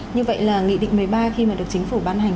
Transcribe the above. như vậy là nghị định một mươi ba khi mà được chính phủ ban hành